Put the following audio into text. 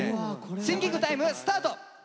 シンキングタイムスタート。